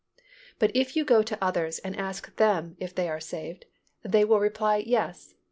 But if you go to others and ask them if they are saved, they will reply "Yes."